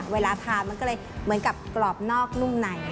เวลาทานมันก็เลยเหมือนกับกรอบนอกนุ่มใน